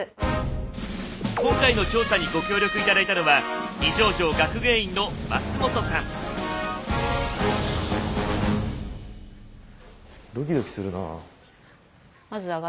今回の調査にご協力頂いたのはドキドキするなあ。